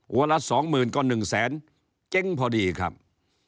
หัวลัดสองหมื่นก็หนึ่งแสนเจ๊งพอดีครับ